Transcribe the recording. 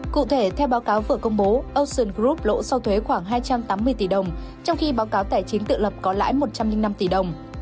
cụ thể theo báo cáo vừa công bố ocean group lỗ sau thuế khoảng hai trăm tám mươi tỷ đồng trong khi báo cáo tài chính tự lập có lãi một trăm linh năm tỷ đồng